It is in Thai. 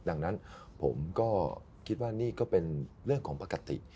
ดังนั้นผมก็คิดว่านี่ก็เป็นเรื่องของปกติ